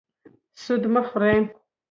سود مه خورئ